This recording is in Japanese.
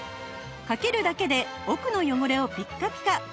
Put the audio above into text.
かけるだけで奥の汚れをピッカピカ！